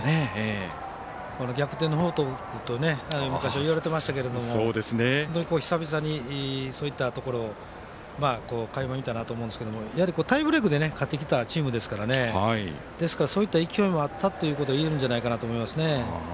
逆転の報徳と昔は言われていましたけど本当に久々にそういったところを垣間見たなと思うんですけどタイブレークで勝ってきたチームですからですから、そういった勢いもあったっていうことが言えるんじゃないかなと思います。